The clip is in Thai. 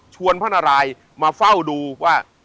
ชวนพระนารายย์มาเฝ้าดูว่า